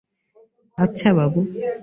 আচ্ছা, বাবু।